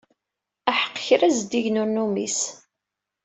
Aḥeqq kra zeddigen ur numis!